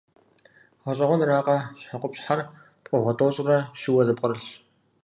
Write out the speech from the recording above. Гъэщӏэгъуэнракъэ, щхьэкъупщхьэр пкъыгъуэ тӏощӏрэ щыуэ зэпкърылъщ.